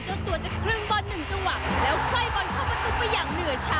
เจ้าตัวจะครึ่งบอลหนึ่งจังหวะแล้วค่อยบอลเข้าประตูไปอย่างเหนือช้า